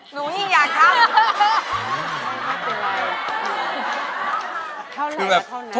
หนูยิ่งอยากทำ